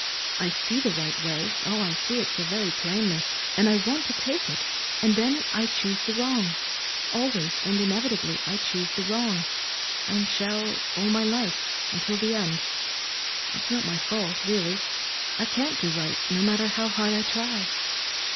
I see the right way oh, I see it so very plainly, and I want to take it; and then I choose the wrong always and inevitably I choose the wrong, and shall all my life, until the end. It's not my fault, really I can't do right, no matter how hard I try."